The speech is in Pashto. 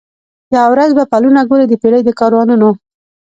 یوه ورځ به پلونه ګوري د پېړۍ د کاروانونو